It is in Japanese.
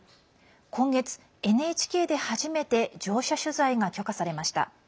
今月、ＮＨＫで初めて乗車取材が許可されました。